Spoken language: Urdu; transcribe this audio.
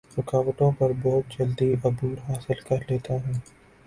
رکاوٹوں پر بہت جلدی عبور حاصل کر لیتا ہوں